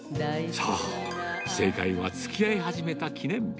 そう、正解はつきあい始めた記念日。